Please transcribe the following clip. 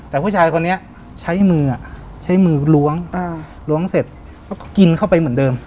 แต่ผู้ชายคนนี้ใช้มือล้วงเสร็จกินเข้าไปเหมือนเดิม